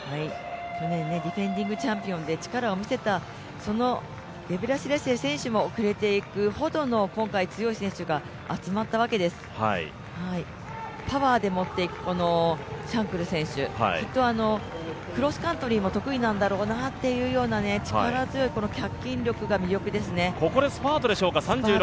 去年、ディフェンディングチャンピオンで力を見せたゲブレシラシエ選手も遅れていくほどの今回、強い選手が集まったわけですパワーでもって、このシャンクル選手、クロスカントリーも得意なんだろうなという力強い筋力があります。